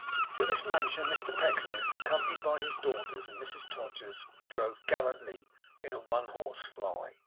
To this mansion Mr Pecksniff, accompanied by his daughters and Mrs Todgers, drove gallantly in a one horse fly.